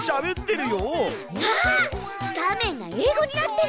画面が英語になってる。